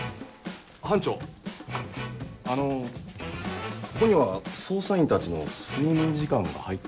班長あのここには捜査員たちの睡眠時間が入っていません。